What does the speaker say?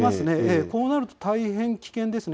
こうなると大変危険です。